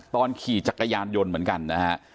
ขี่จักรยานยนต์เหมือนกันนะฮะ